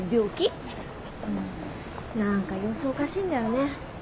うんなんか様子おかしいんだよね。